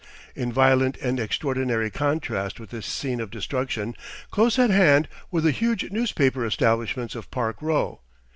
In violent and extraordinary contrast with this scene of destruction, close at hand were the huge newspaper establishments of Park Row.